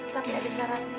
tapi ada syaratnya